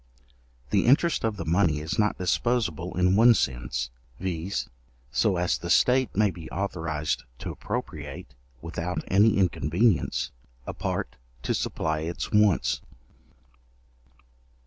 The interest of the money is not disposable in one sense, viz. so as the state may be authorized to appropriate, without any inconvenience, a part to supply its wants.